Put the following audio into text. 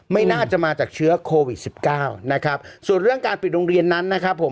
ไม่น่าจะมาจากเชื้อโควิดสิบเก้านะครับส่วนเรื่องการปิดโรงเรียนนั้นนะครับผม